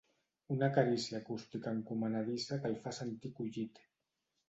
Una carícia acústica encomanadissa que el fa sentir acollit.